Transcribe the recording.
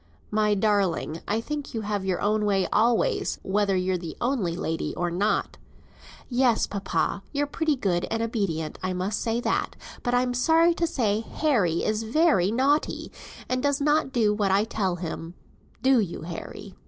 "My darling, I think you have your own way always, whether you're the only lady or not." "Yes, papa, you're pretty good and obedient, I must say that; but I'm sorry to say Harry is very naughty, and does not do what I tell him; do you, Harry?"